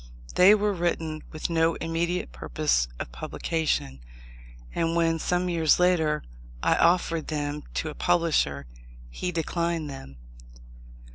They were written with no immediate purpose of publication; and when, some years later, I offered them to a publisher, he declined them.